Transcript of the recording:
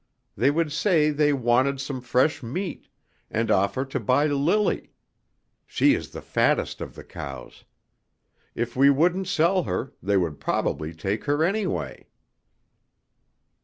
They would say they wanted some fresh meat, and offer to buy Lily; she is the fattest of the cows. If we wouldn't sell her, they would probably take her anyway."